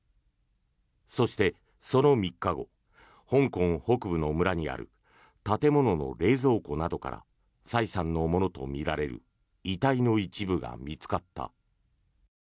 そして、その３日後香港北部の村にある建物の冷蔵庫などからサイさんのものとみられる遺体の一部が見つかった。